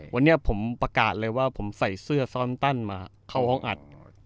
วันนี้ผมประกาศเลยว่าผมใส่เสื้อซ่อนตั้นมาเข้าห้องอัด